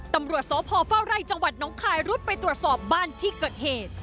ตำรวจสพเฝ้าไร่จังหวัดน้องคายรุดไปตรวจสอบบ้านที่เกิดเหตุ